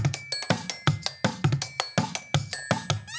เพื่อสนับสนุนที่สุดท้าย